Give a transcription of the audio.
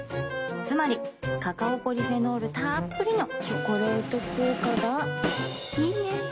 つまりカカオポリフェノールたっぷりの「チョコレート効果」がいいね。